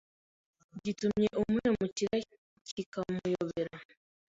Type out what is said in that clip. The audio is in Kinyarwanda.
gitumye imuhemukira kikamuyobera.